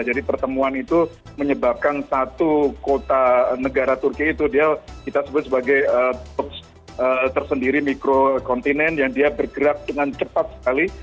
jadi pertemuan itu menyebabkan satu kota negara turki itu dia kita sebut sebagai tersendiri mikrokontinen yang dia bergerak dengan cepat sekali